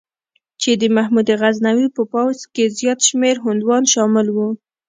چې د محمود غزنوي په پوځ کې زیات شمېر هندوان شامل وو.